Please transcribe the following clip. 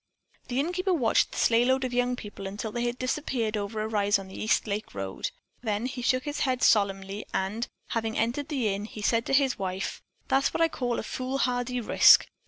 The innkeeper watched the sleighload of young people until they had disappeared over a rise on the East Lake Road. Then he shook his head solemnly and, having entered the inn, he said to his wife: "That's what I call a foolhardy risk.